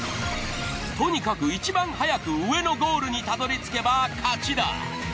とにかくいちばん早く上のゴールにたどり着けば勝ちだ。